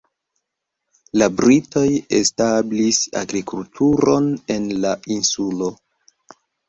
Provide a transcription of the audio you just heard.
La britoj establis agrikulturon en la insulo.